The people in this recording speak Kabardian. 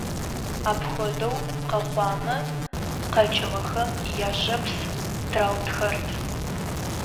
Апхуэдэу къэхъуамэ, къэкӀыгъэхэм яжьэпс траутхэрт.